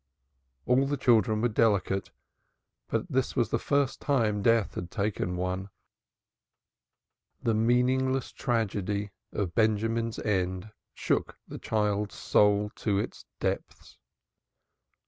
All the children were delicate, but it was the first time death had taken one. The meaningless tragedy of Benjamin's end shook the child's soul to its depths.